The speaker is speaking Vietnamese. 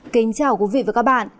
kính chào quý vị và các bạn